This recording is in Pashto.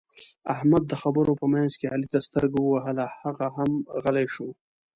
احمد د خبرو په منځ کې علي ته سترګه ووهله؛ هغه هم غلی شو.